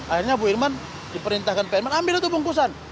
akhirnya bu irman diperintahkan pak irman ambil itu bungkusan